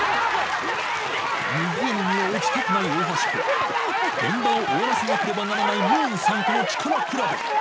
湖に落ちたくない大橋と、現場を終わらせなければならないムーンさんとの力比べ。